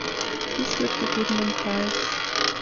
Dies führt ggf.